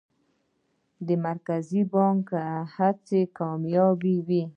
د مرکزي بانک هڅې کامیابه وې؟